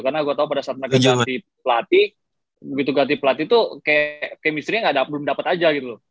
karena gue tau pada saat mereka ganti pelatih begitu ganti pelatih tuh kemisterinya belum dapet aja gitu loh